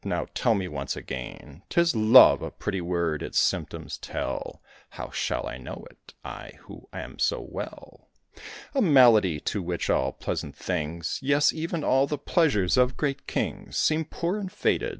now, tell me once again!" "'Tis Love!" "A pretty word, its symptoms tell: How shall I know it I, who am so well?" "A malady, to which all pleasant things Yes, even all the pleasures of great kings Seem poor and faded.